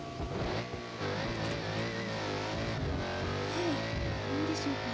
はい何でしょうか？